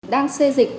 đang xây dịch